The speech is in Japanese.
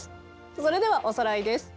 それではおさらいです。